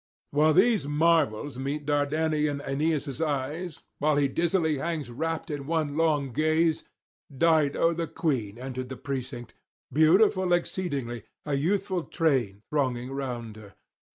While these marvels meet Dardanian Aeneas' eyes, while he dizzily hangs rapt in one long gaze, Dido the queen entered the precinct, beautiful exceedingly, a youthful train thronging round her.